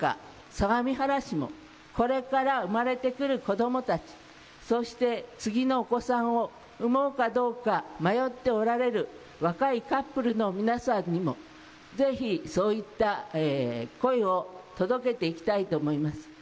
相模原市のこれから生まれてくる子どもたち、そして次のお子さんを産もうかどうか迷っておられる若いカップルの皆さんにもぜひ、そういった声を届けていきたいと思います。